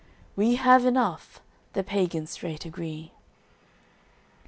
"We have enough," the pagans straight agree.